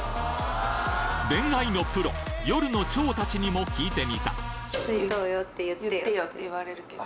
恋愛のプロ夜の蝶たちにも聞いてみたって言われるけど。